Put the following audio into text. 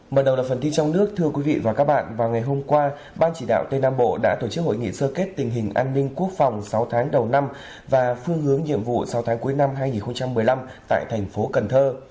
mở đầu là phần thi trong nước thưa quý vị và các bạn vào ngày hôm qua ban chỉ đạo tây nam bộ đã tổ chức hội nghị sơ kết tình hình an ninh quốc phòng sáu tháng đầu năm và phương hướng nhiệm vụ sáu tháng cuối năm hai nghìn một mươi năm tại thành phố cần thơ